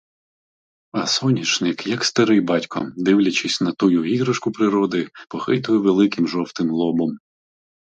А соняшник, як старий батько, дивлячись на тую іграшку природи, похитує великим жовтим лобом.